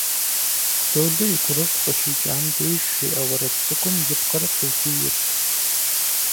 Лолэ и гурыфӀ къыщикӀам деж жиӀэ уэрэд цӀыкӀум и пкъыр къифийрт.